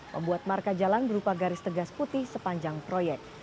membuat marka jalan berupa garis tegas putih sepanjang proyek